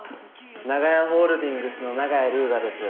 長屋ホールディングスの長屋龍河です。